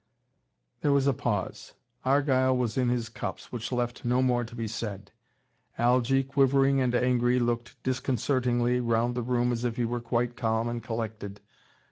There was a pause. Argyle was in his cups, which left no more to be said. Algy, quivering and angry, looked disconcertingly round the room as if he were quite calm and collected.